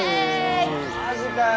マジかよ。